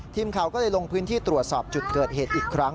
ทีมข่าวก็เลยลงพื้นที่ตรวจสอบจุดเกิดเหตุอีกครั้ง